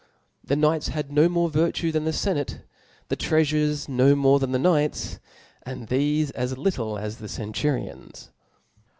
' The knights had na more virtue thato the fqnate, the treafurers no more than the knights, and thefe as littk as the cen turbns.